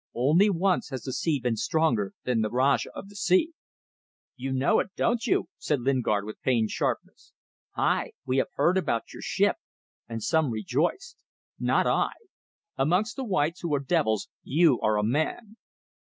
... Only once has the sea been stronger than the Rajah of the sea." "You know it; do you?" said Lingard, with pained sharpness. "Hai! We have heard about your ship and some rejoiced. Not I. Amongst the whites, who are devils, you are a man."